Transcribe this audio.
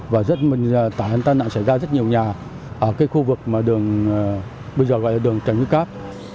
và tại hệ thống nạn xảy ra rất nhiều nhà ở khu vực bây giờ gọi là đường trần như cáp